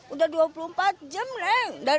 udah dua puluh empat jam leng